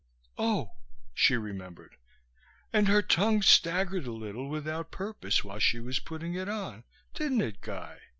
Oh," she remembered, "and her tongue staggered a little without purpose while he was putting it on, didn't it, Guy?"